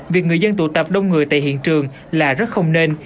việc người dân tụ tập đông người tại hiện trường là rất không nên